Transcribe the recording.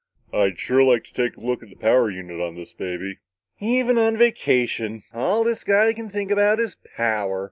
"I'd sure like to take a look at the power unit on this baby." "Even on a vacation, all this guy can think about is power!"